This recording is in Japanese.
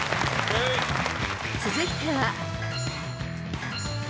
［続いては］